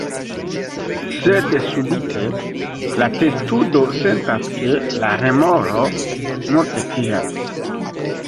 Sed subite, la testudo sentas ke la remoro multe tiras.